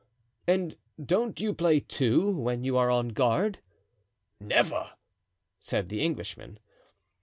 "And don't you play, too, when you are on guard?" "Never," said the Englishman.